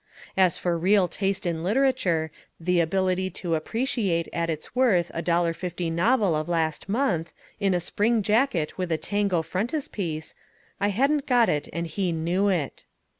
As for real taste in literature the ability to appreciate at its worth a dollar fifty novel of last month, in a spring jacket with a tango frontispiece I hadn't got it and he knew it.